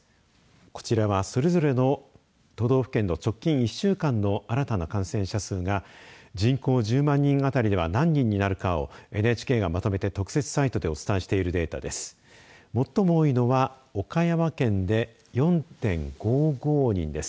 こちらはそれぞれの都道府県の直近１週間の新たな感染者数が人口１０万人あたりでは何人になるかをＮＨＫがまとめて特設サイトでお伝えしているデータです。